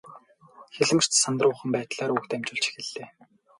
Хэлмэрч сандруухан байдлаар үг дамжуулж эхэллээ.